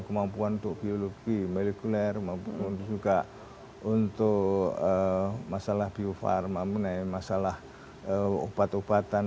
kemampuan untuk biologi molekuler kemampuan juga untuk masalah biofarma masalah obat obatan